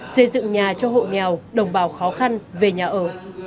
xây dựng nhà cho hộ nghèo đồng bào khó khăn về nhà ở